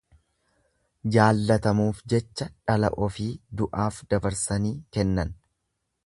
Jaallatamuuf jecha dhala ofii du'aaf dabarsanii hin kennan.